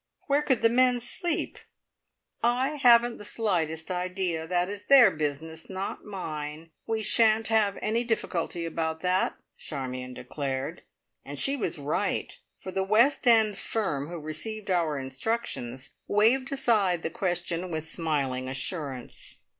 Where could the men sleep?" "I haven't the slightest idea. That is their business, not mine. We shan't have any difficulty about that," Charmion declared, and she was right, for the West End firm who received our instructions waved aside the question with smiling assurance.